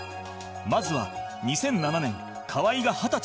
まずは２００７年河合が二十歳の頃